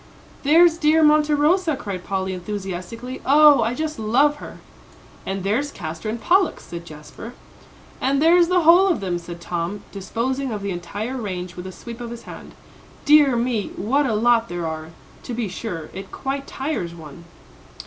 "There's dear Monte Rosa," cried Polly, enthusiastically. "Oh, I just love her." "And there's Castor and Pollux," said Jasper. "And there's the whole of them," said Tom, disposing of the entire range with a sweep of his hand. "Dear me, what a lot there are, to be sure. It quite tires one."